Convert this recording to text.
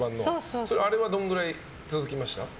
あれはどのぐらい続きました？